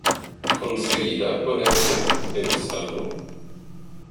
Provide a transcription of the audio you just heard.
¿ conseguirá ponerse en salvo?